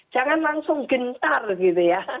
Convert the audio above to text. jangan langsung gentar gitu ya